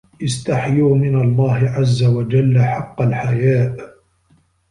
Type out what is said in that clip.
اسْتَحْيُوا مِنْ اللَّهِ عَزَّ وَجَلَّ حَقَّ الْحَيَاءِ